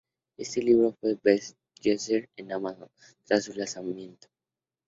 Este libro fue best-seller en Amazon tras su lanzamiento.